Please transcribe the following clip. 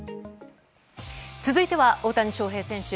続いては大谷翔平選手。